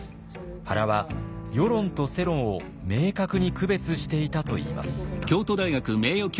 原は「輿論」と「世論」を明確に区別していたといいます。